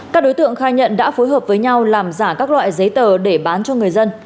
các đối tượng khai nhận đã phối hợp với nhau làm giả các loại giấy tờ để bán cho người dân